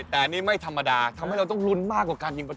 เดี๋ยวเราไปดูเชิญครับ